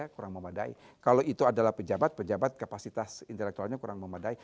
kurang memadai kalau itu adalah pejabat pejabat kapasitas intelektualnya kurang memadai